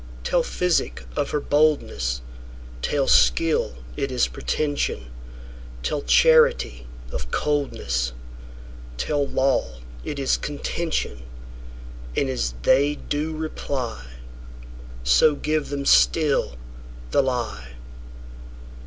Tell physic of her boldness; Tell skill it is pretension; Tell charity of coldness; Tell law it is contention:And as they do reply, So give them still the lie.